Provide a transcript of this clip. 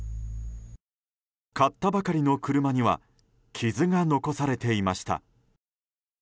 買ったばかりの車には傷が残されていました。